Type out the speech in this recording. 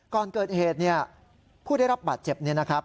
ก่อนเกิดเหตุผู้ได้รับบาดเจ็บ